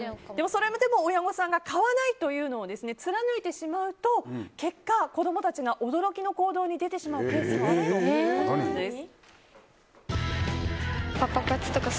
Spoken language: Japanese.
それも親御さんが買わないというのを貫いてしまうと結果、子供たちが驚きの行動に出てしまうケースもあるということです。